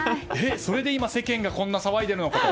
それで世間がこんな騒いでいるんだ。